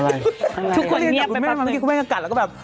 อะไรทุกคนเงียบไปปั๊ดหนึ่งเมื่อกี้คุณแม่ก็กัดแล้วก็แบบ